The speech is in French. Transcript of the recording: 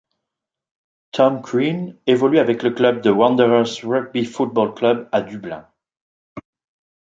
Tom Crean évolue avec le club de Wanderers Rugby Football Club à Dublin.